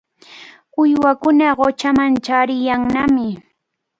Uywakuna quchaman chaariyannami.